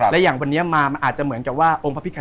และอย่างวันนี้มามันอาจจะเหมือนกับว่า